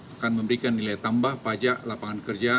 akan memberikan nilai tambah pajak lapangan kerja